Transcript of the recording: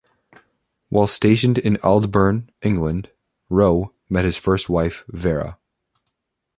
While stationed in Aldbourne, England, Roe met his first wife Vera.